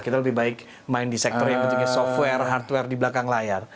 kita lebih baik main di sektor yang bentuknya software hardware di belakang layar